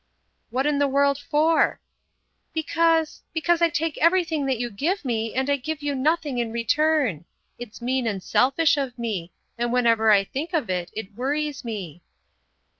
"What in the world for?" "Because—because I take everything that you give me and I give you nothing in return. It's mean and selfish of me, and whenever I think of it it worries me."